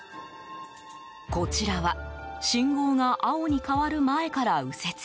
こちらは信号が青に変わる前から右折。